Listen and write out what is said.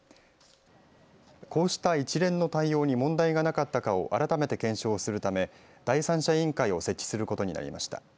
こうした一連の対応に問題がなかったかを改めて検証するため第三者委員会を設置することになりました。